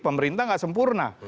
pemerintah gak sempurna